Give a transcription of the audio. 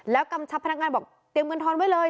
แล้วกำชับพนักงานบอกเตรียมเงินทอนไว้เลย